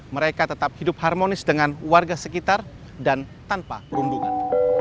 mereka tetap hidup harmonis dengan warga sekitar dan tanpa perundungan